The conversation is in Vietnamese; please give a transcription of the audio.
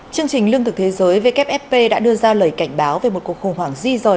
chương trình lương thực thế giới wfp đã đưa ra lời cảnh báo về một cuộc khủng hoảng di dời